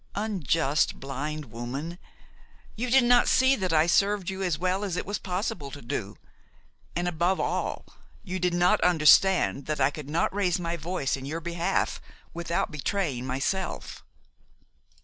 Unjust, blind woman! you did not see that I served you as well as it was possible to do; and, above all, you did not understand that I could not raise my voice in your behalf without betraying myself.